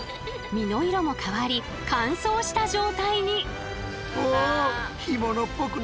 身の色も変わり乾燥した状態に。